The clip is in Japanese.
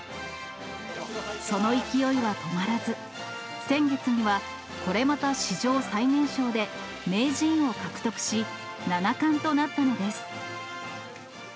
その勢いは止まらず、先月には、これまた史上最年少で名人を獲得し、七冠となったのです。